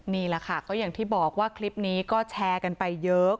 นี่แหละค่ะก็คลิปนี้ก็แชร์ไปเยอะ